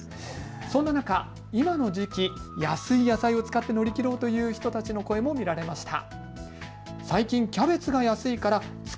そんな中、今の時期、安い野菜を使って乗り切ろうという人たちの声も見られました。